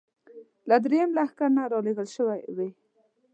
له درېیم لښکر نه را لېږل شوې وې.